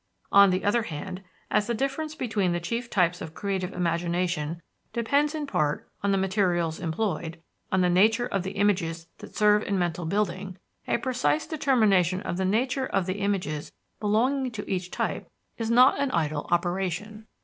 On the other hand, as the difference between the chief types of creative imagination depends in part on the materials employed on the nature of the images that serve in mental building a precise determination of the nature of the images belonging to each type is not an idle operation.